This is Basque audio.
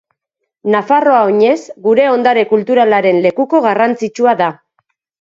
Nafarroa Oinez gure ondare kulturalaren lekuko garrantzitsua da